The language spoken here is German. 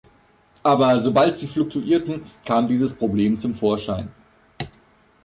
Aber sobald sie fluktuierten, kam dieses Problem zum Vorschein.